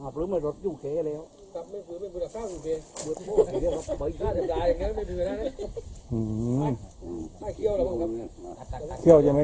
อ่ะพรึ้งมือรถแล้ว